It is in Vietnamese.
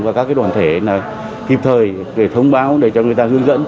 và các đoàn thể kịp thời để thông báo để cho người ta hướng dẫn